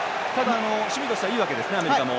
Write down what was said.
守備としてはいいわけですねアメリカも。